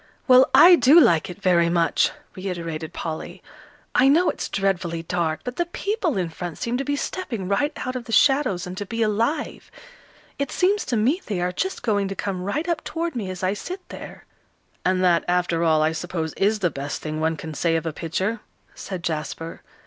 "Well, I do like it very much," reiterated Polly. "I know it's dreadfully dark, but the people in front seem to be stepping right out of the shadows, and to be alive. It seems to me they are just going to come right up toward me, as I sit there." "And that, after all, I suppose is the best thing one can say of a picture," said Jasper.